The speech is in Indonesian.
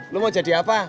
lo mau jadi apa